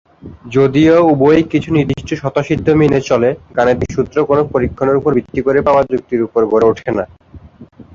যদিও উভয়ই কিছু নির্দিষ্ট স্বতঃসিদ্ধ মেনে চলে, গাণিতিক সূত্র কোনো পরীক্ষণের উপর ভিত্তি করে পাওয়া যুক্তির উপর গড়ে ওঠে না।